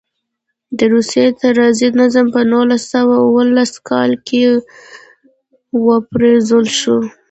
د روسیې تزاري نظام په نولس سوه اوولس کال کې و پرځول شو.